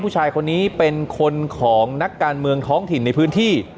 ผู้ชายคนนี้เป็นคนของนักการเมืองท้องถิ่นในพื้นที่